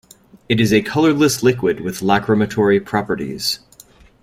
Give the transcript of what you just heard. It is a colorless liquid with lacrymatory properties.